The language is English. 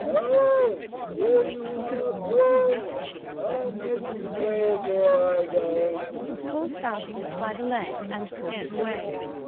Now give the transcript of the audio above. ] No, will you not wake? I'll make you wake ere I go. [Pulls FAUSTUS by the leg, and pulls it away.